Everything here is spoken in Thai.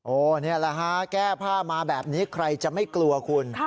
นี่แหละฮะแก้ผ้ามาแบบนี้ใครจะไม่กลัวคุณ